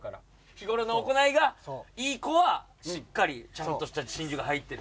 日ごろの行いがいい子はしっかりちゃんとした真珠が入ってる。